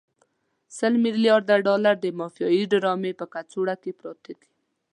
سل ملیارده ډالر د مافیایي ډرامې په کڅوړو کې پراته دي.